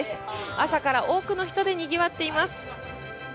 朝から多くの人でにぎわっています。